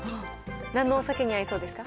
なんのお酒に合いそうですか？